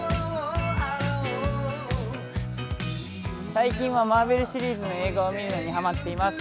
最近はマーベルシリーズの映画を見ることにハマっています。